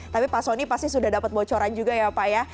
tapi pak soni pasti sudah dapat bocoran juga ya pak ya